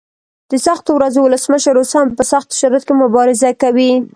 د سختو ورځو ولسمشر اوس هم په سختو شرایطو کې مبارزه کوي.